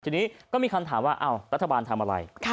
ทีนี้ก็มีคำถามว่ารัฐบาลทำอะไร